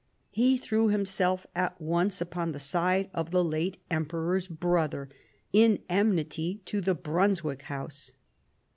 He threw himself at once upon the side of the late emperor's brother, in enmity to the Brunswick house.